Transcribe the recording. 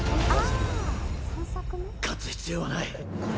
勝つ必要はない。